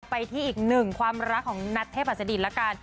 ไปที่อีกหนึ่งความรักของนัทเทพหัสดินละกัน